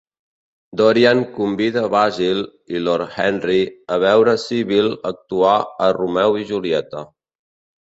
Dorian convida Basil i Lord Henry a veure Sibyl actuar a "Romeu i Julieta".